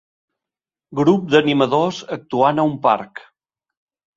Grup d'animadors actuant a un parc